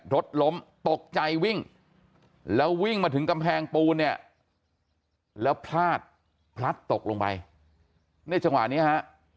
รถล้มตกใจวิ่งแล้ววิ่งมาถึงกำแพงปูนเนี่ยแล้วพลาดพลัดตกลงไปในจังหวะนี้ฮะ